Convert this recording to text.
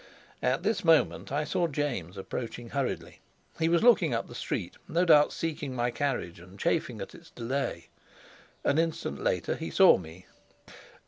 At this moment I saw James approaching hurriedly. He was looking up the street, no doubt seeking my carriage and chafing at its delay. An instant later he saw me.